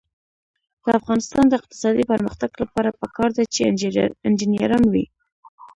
د افغانستان د اقتصادي پرمختګ لپاره پکار ده چې انجنیران وي.